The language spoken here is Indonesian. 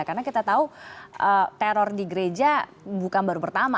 karena kita tahu teror di gereja bukan baru pertama